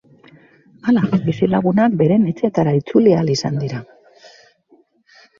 Hala, bizilagunak beren etxeetara itzuli ahal izan dira.